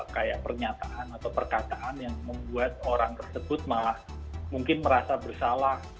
kayak pernyataan atau perkataan yang membuat orang tersebut malah mungkin merasa bersalah